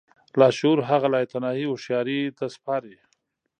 لاشعور هغه لايتناهي هوښياري ته سپاري.